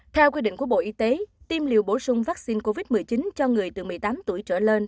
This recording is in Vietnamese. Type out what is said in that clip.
theo quy định của bộ y tế tiêm liều bổ sung vaccine covid một mươi chín cho người từ một mươi tám tuổi trở lên